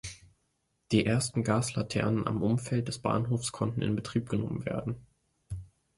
Die ersten Gaslaternen am Umfeld des Bahnhofs konnten in Betrieb genommen werden.